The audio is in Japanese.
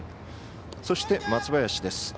そして、松林です。